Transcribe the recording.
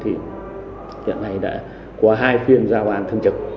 thì hiện nay đã có hai phiên giao an thân trực